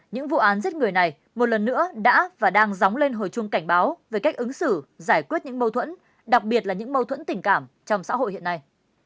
những vụ án giết người này một lần nữa đã và đang dóng lên hồi chuông cảnh báo về cách ứng xử giải quyết những mâu thuẫn đặc biệt là những mâu thuẫn tình cảm trong xã hội hiện nay